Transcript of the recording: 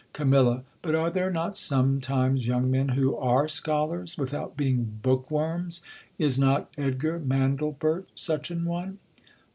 Cam, But are there not sometimes young men who are scholars, without being book worms ? Is not Ed gar Mandlefeert such an one